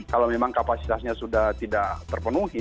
kalau memang kapasitasnya sudah tidak terpenuhi